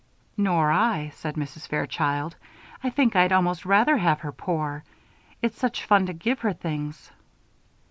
"Nor I," said Mrs. Fairchild. "I think I'd almost rather have her poor it's such fun to give her things."